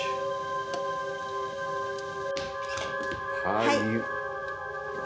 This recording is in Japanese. はい。